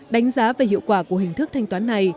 đánh giá về hiệu quả của hình thức thanh toán này